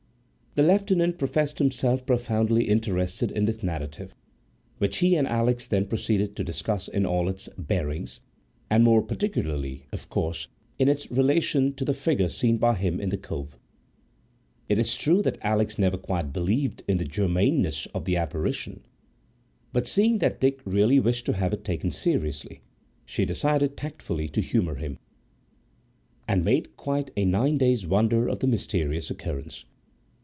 The Lieutenant professed himself profoundly interested in this narrative, which he and Alix then proceeded to discuss in all its bearings, and more particularly, of course, in its relation to the figure seen by him in the cove. It is true that Alix never quite believed in the genuineness of the apparition; but, seeing that Dick really wished to have it taken seriously, she decided tactfully to humour him, and made quite a nine days' wonder of the mysterious occurrence.